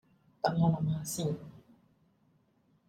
等我諗吓先